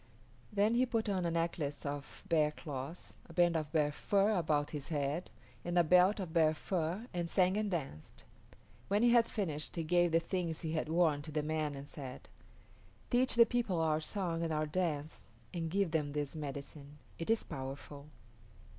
Then he put on a necklace of bear claws, a band of bear fur about his head, and a belt of bear fur, and sang and danced. When he had finished he gave the things he had worn to the man and said, "Teach the people our song and our dance, and give them this medicine. It is powerful."